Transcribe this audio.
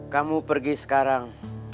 kamu pergi sekarang